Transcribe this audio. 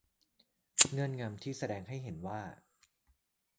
เงื่อนงำที่แสดงให้เห็นว่า